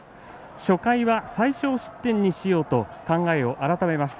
初回は最少失点にしようと考えを改めました。